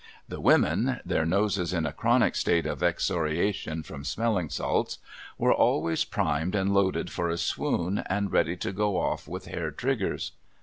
The women (their noses in a chronic state of excoriation from smelling salts) were always primed and loaded for a swoon, and ready to go off with hair triggers.